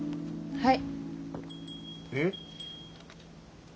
はい。